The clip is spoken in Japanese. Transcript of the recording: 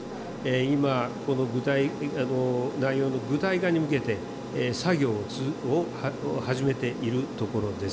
今、内容の具体化に向けて、作業を始めているところです。